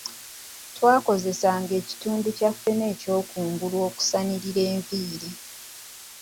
Twakozesanga ekitundu kya ffene ekyokungulu okusanirira enviiri.